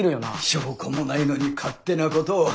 証拠もないのに勝手なことを。